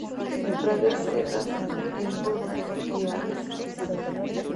En praderas secas en dunas y arrecifes.